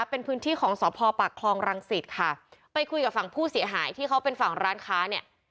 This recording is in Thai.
เป็นพื้นที่ของสพปากคลองรังสิตค่ะไปคุยกับฝั่งผู้เสียหายที่เขาเป็นฝั่งร้านค้าเนี่ย